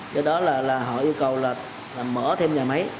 do đó là họ yêu cầu là mở thêm nhà máy